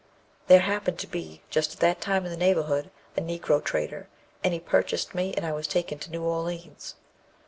There happened to be just at the time in the neighbourhood a Negro trader, and he purchased me, and I was taken to New Orleans.